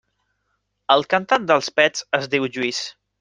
El cantant dels Pets es diu Lluís.